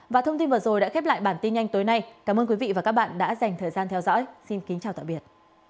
và thông tin vừa rồi đã khép lại bản tin nhanh tối nay cảm ơn quý vị và các bạn đã dành thời gian theo dõi xin kính chào tạm biệt